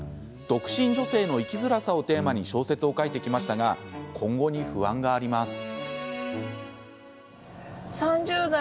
独身女性の生きづらさをテーマに小説を書いてきましたが今後に不安があります。